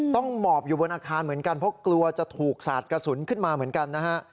ต้องหมอบอยู่บนอาคารเพราะกลัวจะถูกหักสัดกระสุนขึ้นมาเหมือนกันนะฮะ